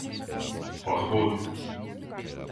Orgullo!